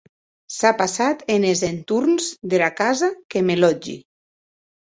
S’a passat enes entorns dera casa que me lòtgi.